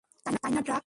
তাইনা, ড্রাক?